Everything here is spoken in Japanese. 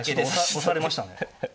押されましたね。